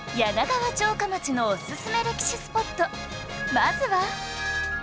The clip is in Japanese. まずは